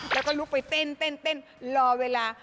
แล้วก็ลุกไปเต้นรอเวลา